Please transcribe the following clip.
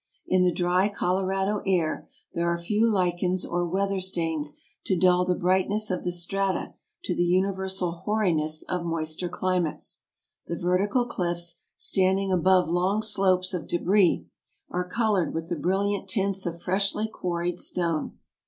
In the dry Colorado air there are few lichens or weather stains to dull the brightness of the strata to the universal hoariness of moister climates; the vertical cliffs, standing above long slopes of debris, are colored with the brilliant tints of freshly quarried stone.